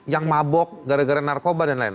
yang mabok gara gara narkoba dan lain